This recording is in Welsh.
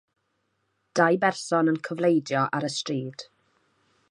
Dau berson yn cofleidio ar y stryd.